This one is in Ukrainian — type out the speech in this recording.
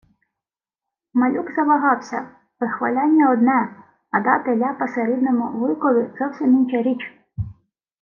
Малюк завагався. Вихваляння — одне, а дати ляпаса рідному вуйкові — зовсім інша річ.